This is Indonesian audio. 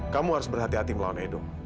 kamu harus berhati hati melawan edo